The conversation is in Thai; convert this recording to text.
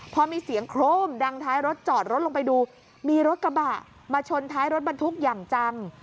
พอมีเสียงโครมดังท้ายรถจอดรถลงไปดูมีรถกระบะมาชนท้ายรถบรรทุกอย่างจัง